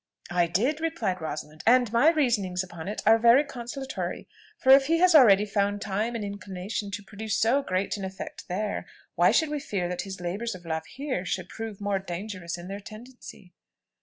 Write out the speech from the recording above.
"I did," replied Rosalind, "and my reasonings upon it are very consolatory; for if he has already found time and inclination to produce so great effect there, why should we fear that his labours of love here should prove more dangerous in their tendency?"